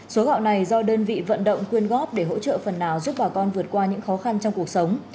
số gạo này do đơn vị vận động quyên góp để hỗ trợ phần nào giúp bà con vượt qua những khó khăn trong cuộc sống